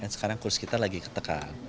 sekarang kurs kita lagi ketekan